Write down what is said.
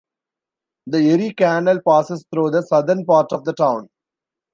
The Erie Canal passes through the southern part of the town.